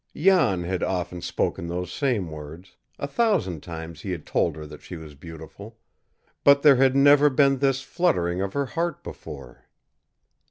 Jan had often spoken those same words a thousand times he had told her that she was beautiful but there bad never been this fluttering of her heart before.